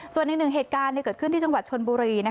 ส่วนอีกหนึ่งเหตุการณ์เกิดขึ้นที่จังหวัดชนบุรี